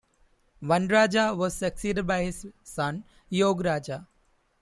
Vanraja was succeeded by his son, Yogaraja.